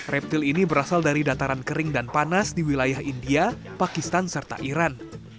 reptil ini berasal dari dataran kering dan panas di wilayah india pakistan serta iran